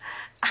ああ。